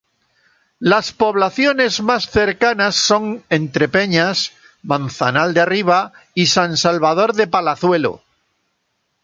Las poblaciones más cercanas son Entrepeñas, Manzanal de Arriba y San Salvador de Palazuelo.